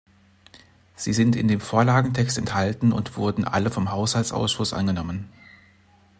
Sie sind in dem Vorlagentext enthalten und wurden alle vom Haushaltsausschuss angenommen.